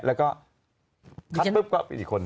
แล้วก็คลับปุ๊บก็อีกคน